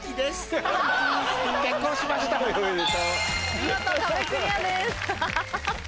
見事壁クリアですハハハ！